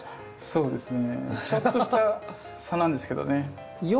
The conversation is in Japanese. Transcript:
そうですね。